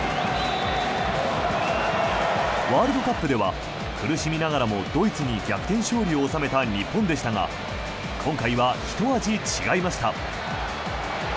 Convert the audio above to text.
ワールドカップでは苦しみながらもドイツに逆転勝利を収めた日本でしたが今回はひと味違いました。